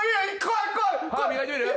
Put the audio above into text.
歯磨いてみる？